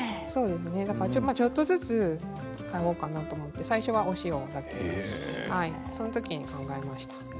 ちょっとずつ買おうかなと思って、最初はお塩だけそのときに考えました。